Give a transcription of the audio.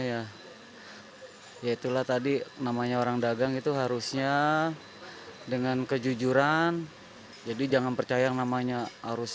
ya itulah tadi namanya orang dagang itu harusnya dengan kejujuran jadi jangan percaya yang namanya harus